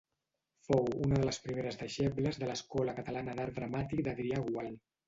Fou una de les primeres deixebles de l'Escola Catalana d'Art Dramàtic d'Adrià Gual.